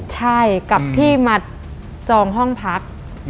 ใช่กับที่มาจองห้องพัก